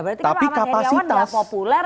karena ahmad heriawan tidak populer